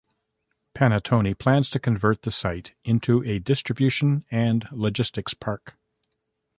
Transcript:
Panattoni plans to convert the site into a distribution and logistics park.